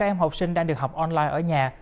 ba em học sinh đang được học online ở nhà